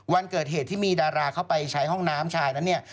วันเกิดเหตุที่มีดาราเข้าไปใช้ห้องน้ำชายนั้นเนี่ย